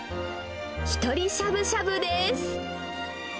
ひとりしゃぶしゃぶです。